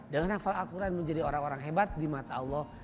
dengan hafal al quran menjadi orang orang hebat di mata allah